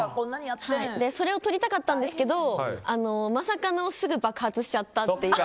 それを撮りたかったんですけどまさかのすぐ爆発しちゃったという。